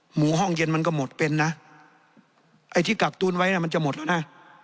หมูห้องเย็นมันก็หมดเป็นนะไอ้ที่กักตูนไว้น่ะมันจะหมดแล้วนะ